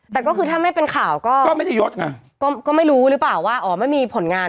แต่ก็คือถ้าไม่เป็นข่าวก็ไม่รู้หรือเปล่าว่าอ๋อไม่มีผลงาน